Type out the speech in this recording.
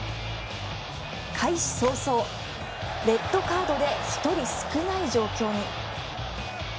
開始早々、レッドカードで１人少ない状況に。